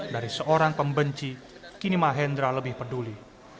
dari seorang pembenci kini mahendra lebih peduli